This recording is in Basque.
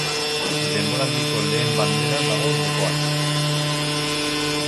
Denboraldiko lehen bandera dago jokoan.